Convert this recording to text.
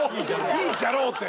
「いいじゃろう」って。